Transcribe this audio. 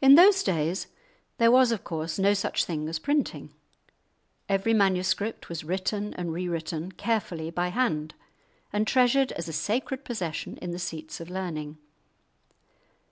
In those days there was, of course, no such thing as printing. Every manuscript was written and rewritten, carefully, by hand, and treasured as a sacred possession in the seats of learning.